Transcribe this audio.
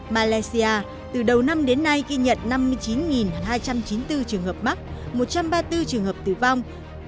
malaysia từ đầu năm đến nay ghi nhận năm mươi chín hai trăm chín mươi bốn trường hợp mắc một trăm ba mươi bốn trường hợp tử vong